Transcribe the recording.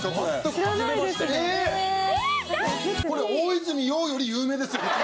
これ大泉洋より有名ですよ